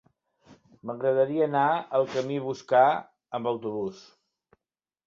M'agradaria anar al camí Boscà amb autobús.